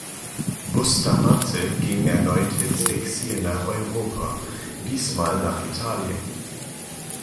Bustamante ging erneut ins Exil nach Europa, diesmal nach Italien.